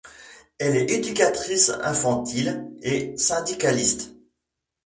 Elle est éducatrice infantile et syndicaliste.